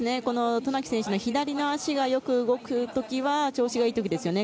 渡名喜選手の左の足がよく動く時は調子がいい時ですね。